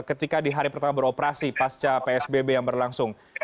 ketika di hari pertama beroperasi pasca psbb yang berlangsung